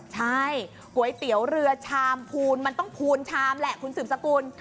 ใช่ก๋วยเตี๋ยวเรือชามพูนมันต้องพูนชามแหละคุณสืบสกุล